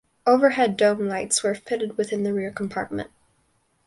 Overhead dome lights were fitted within the rear compartment.